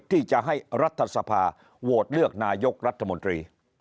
ที่จะให้รัฐสภาโหวตเลือกนายกรัฐมนตรี